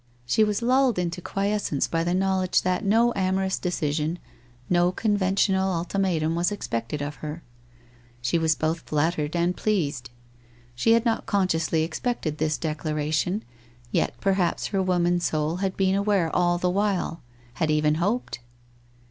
She was lulled into quiescence by the knowledge that no amorous decision, no conventional ultimatum was expected of her. She was both flattered and pleased. She had not con sciously expected this declaration, yet perhaps her woman soul had been aware all the while — had even hoped?